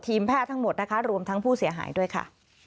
แพทย์ทั้งหมดนะคะรวมทั้งผู้เสียหายด้วยค่ะ